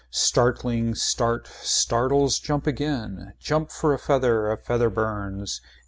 Startling, start, startles jump again. Jump for a feather. A feather burns.